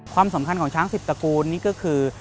ความสำคัญของช้างสิบตระกูลนี่ก็คือ